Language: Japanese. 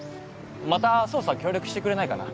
また捜査協力してくれないかな？